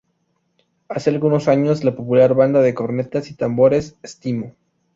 Hace algunos años, la popular Banda de Cornetas y Tambores "Stmo.